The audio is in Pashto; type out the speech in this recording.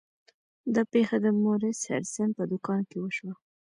دا پیښه د مورس هډسن په دکان کې وشوه.